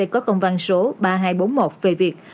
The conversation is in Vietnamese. có công văn số ba nghìn hai trăm bốn mươi một về việc